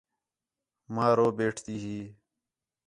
ماں رُو بیٹ تی ہی